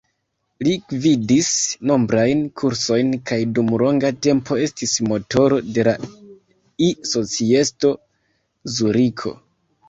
Li gvidis nombrajn kursojn kaj dum longa tempo estis motoro de la E-Societo Zuriko.